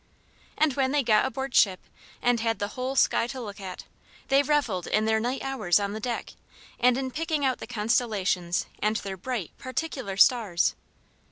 And when they got aboard ship and had the whole sky to look at, they revelled in their night hours on the deck, and in picking out the constellations and their "bright, particular stars."